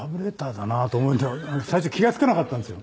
最初気が付かなかったんですよ。